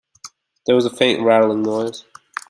There was a faint rattling noise.